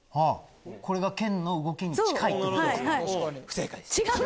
これが剣の動きに近いという？